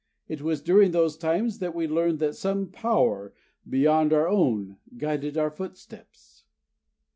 It was during those times that we learned that some Power beyond our own guided our footsteps."